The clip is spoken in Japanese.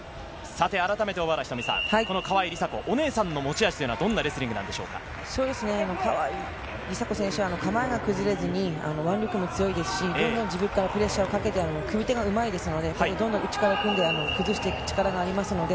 小原さん、川井梨紗子、お姉さんの持ち味はどんなレスリングでし梨紗子選手は構えが崩れずに腕力も強いですし、自分からプレッシャーをかけて組み手がうまいですので、内から組んで崩していく力があります。